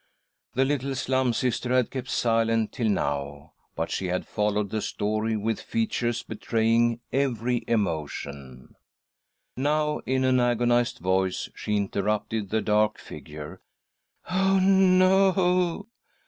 The little Slum Sister had kept silent till now, but she had followed the story with features betraying every emotion. Now, in an agonised voice, she interrupted the dark figure. " Oh, no